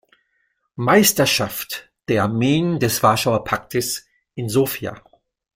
Meisterschaft der Armeen des Warschauer Paktes in Sofia.